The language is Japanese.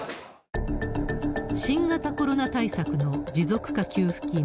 新型コロナ対策の持続化給付金